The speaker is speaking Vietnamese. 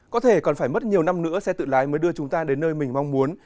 có thể còn phải mất nhiều năm nữa xe tự lái mới đưa chúng ta đến nơi mình mong muốn